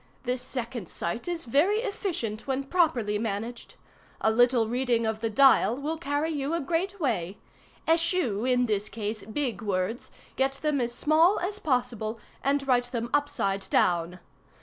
This second sight is very efficient when properly managed. A little reading of the 'Dial' will carry you a great way. Eschew, in this case, big words; get them as small as possible, and write them upside down.